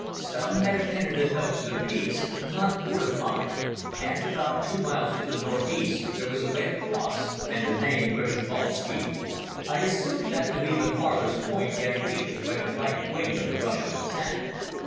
Stumm had appended a note to the peaks—"not fortified"; and about two miles to the north east there was a red cross and the name "Prjevalsky". I assumed that to be the farthest point yet reached by the right wing of the Russian attack.